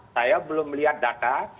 saya belum melihat data